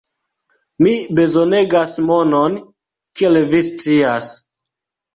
mi bezonegas monon, kiel vi scias.